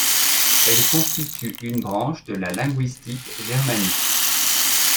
Elle constitue une branche de la linguistique germanique.